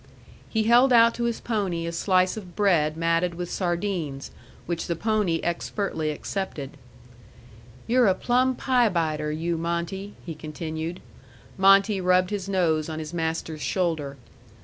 He held out to his pony a slice of bread matted with sardines, which the pony expertly accepted. "You're a plumb pie biter you Monte," he continued. Monte rubbed his nose on his master's shoulder.